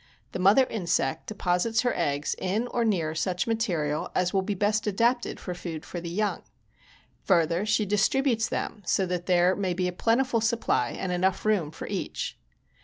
The mother insect deposits her eggs in or near such material as will be best adapted for food for the young. Further, she distributes them so that there may be a plentiful supply and enough room for each.